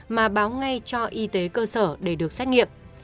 mà báo ngay cho y tế cơ sở để được xét nghiệm